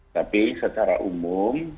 tapi secara umum